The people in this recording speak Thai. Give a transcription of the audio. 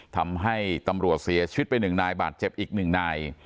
ทำให้ตำรวจเสียชีวิตไปหนึ่งนายบาดเจ็บอีกหนึ่งนาย